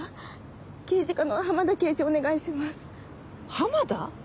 浜田？